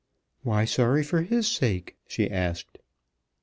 "Why sorry for his sake?" she asked.